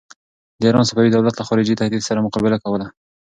د ایران صفوي دولت له خارجي تهدید سره مقابله کوله.